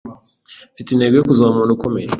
Mfite intego yo kuzaba umuntu ukomeye